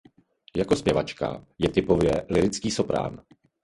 Jako zpěvačka je typově lyrický soprán.